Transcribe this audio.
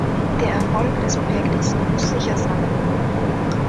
Der Erfolg des Projektes muss sicher sein.